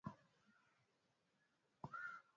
Mayi ya nvula inaendesha buchafu bote